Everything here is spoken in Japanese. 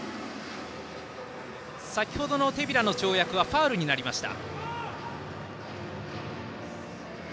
先程の手平の跳躍はファウルになりました。